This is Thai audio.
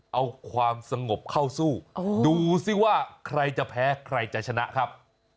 เอาความสงบเข้าสู้ดูสิว่าใครจะแพ้ใครจะชนะครับ